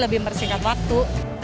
lebih bersingkat waktu